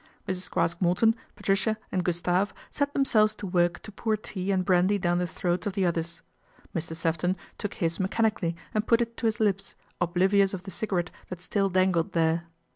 Mrs. Craske Morton, Patricia and Gustave set themselves to work to pour tea and brandy down the throats of the others. Mr. Sefton took his mechanically and put it to his lips, oblivious of the cigarette that still dangled there.